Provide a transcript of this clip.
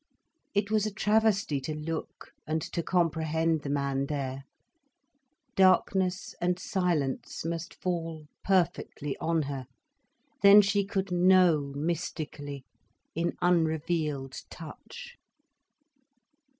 It was a travesty to look and to comprehend the man there. Darkness and silence must fall perfectly on her, then she could know mystically, in unrevealed touch.